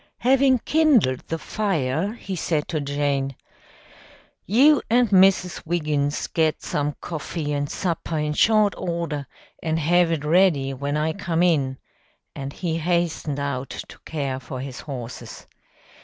Having kindled the fire, he said to Jane, "You and Mrs. Wiggins get some coffee and supper in short order, and have it ready when I come in," and he hastened out to care for his horses.